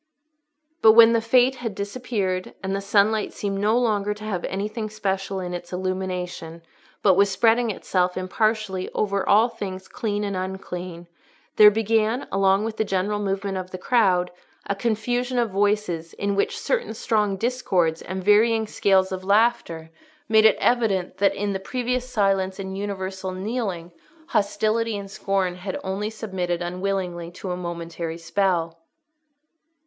But when the Frate had disappeared, and the sunlight seemed no longer to have anything special in its illumination, but was spreading itself impartially over all things clean and unclean, there began, along with the general movement of the crowd, a confusion of voices in which certain strong discords and varying scales of laughter made it evident that, in the previous silence and universal kneeling, hostility and scorn had only submitted unwillingly to a momentary spell.